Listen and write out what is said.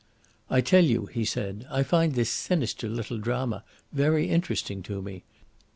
"I tell you," he said, "I find this sinister little drama very interesting to me.